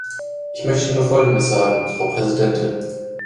Ich möchte nur folgendes sagen, Frau Präsidentin.